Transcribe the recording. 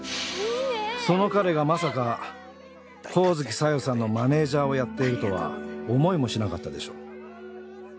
その彼がまさか神月沙代さんのマネジャーをやってるとは思いもしなかったでしょう。